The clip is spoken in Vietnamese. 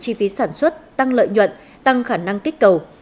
chi phí sản xuất tăng lợi nhuận tăng khả năng kích cầu